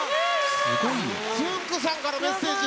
つんく♂さんからメッセージ！